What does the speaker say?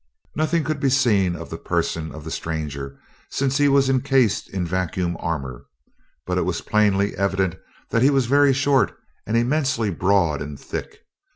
Nothing could be seen of the person of the stranger, since he was encased in vacuum armor, but it was plainly evident that he was very short and immensely broad and thick.